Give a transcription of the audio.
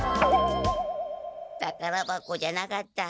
たからばこじゃなかった。